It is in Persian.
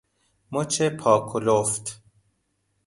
مچ پا کلفت